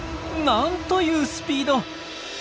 なんというスピード！